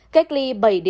cách ly bảy một mươi